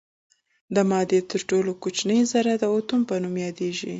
د مادې تر ټولو کوچنۍ ذره د اتوم په نوم یادیږي.